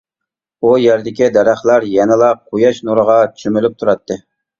ئۇ يەردىكى دەرەخلەر يەنىلا قۇياش نۇرىغا چۆمۈلۈپ تۇراتتى.